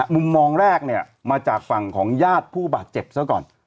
มุมมองแรกเนี่ยมาจากฝั่งของญาติผู้บาดเจ็บซะก่อน